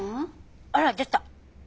あら出た。